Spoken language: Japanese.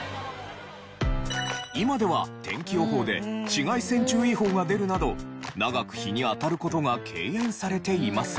今では天気予報で紫外線注意報が出るなど長く日に当たる事が敬遠されていますが。